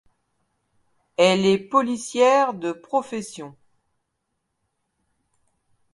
Elle est policière de profession.